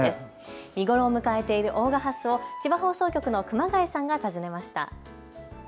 見頃を迎えている大賀ハスを千葉放送局の熊谷さんが訪ねました。